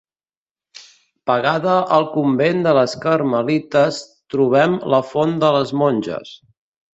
Pegada al convent de les carmelites trobem la font de les Monges.